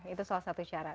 itu salah satu cara